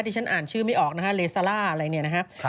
ที่ฉันอ่านชื่อไม่ออกนะฮะเลซาล่าอะไรเนี่ยนะครับ